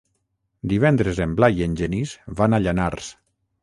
Divendres en Blai i en Genís van a Llanars.